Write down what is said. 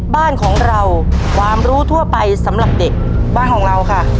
บ้านของเราความรู้ทั่วไปสำหรับเด็ก